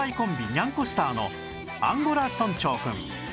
にゃんこスターのアンゴラ村長くん